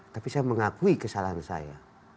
tapi saya mengakui kesalahan saya